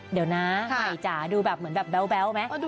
เดี๋ยวนะไหมจ้ะดูเหมือนแบบแบ๊วมั้ย